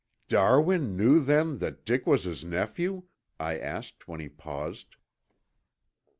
"Darwin knew then that Dick was his nephew?" I asked when he paused.